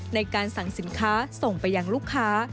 ในการสั่งสินค้าส่งไปยังลูกค้า